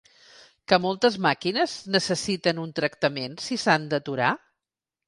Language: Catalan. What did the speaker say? Que moltes màquines necessiten un tractament si s’han d’aturar?